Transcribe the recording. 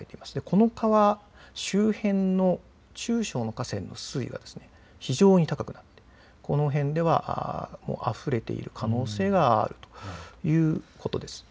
この川周辺の中小の河川の水位は非常に高くなってこの辺ではあふれている可能性があるということです。